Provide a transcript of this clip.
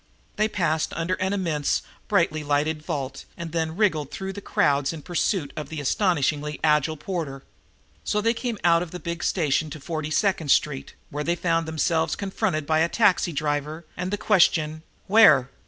They passed under an immense, brightly lighted vault and then wriggled through the crowds in pursuit of the astonishingly agile porter. So they came out of the big station to Forty second Street, where they found themselves confronted by a taxi driver and the question: "Where?"